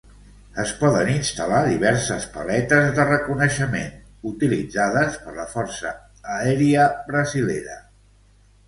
Es poden instal·lar diverses paletes de reconeixement; utilitzades per la força aèria brasilera.